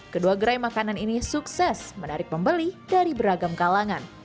kedua gerai makanan ini sukses menarik pembeli dari beragam kalangan